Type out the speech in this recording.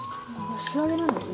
素揚げなんですね。